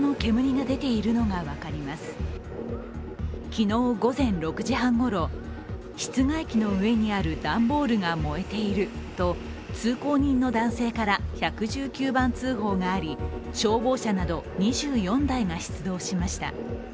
昨日午前６時半ごろ、室外機の上にある段ボールが燃えていると通行人の男性から１１９番通報があり消防車など２４台が出動しました。